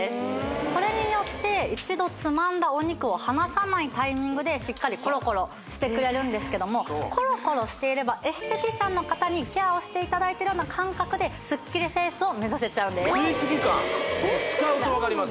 これによって一度つまんだお肉を離さないタイミングでしっかりコロコロしてくれるんですけどもコロコロしていればエステティシャンの方にケアをしていただいてるような感覚ですっきりフェイスを目指せちゃうんです使うと分かります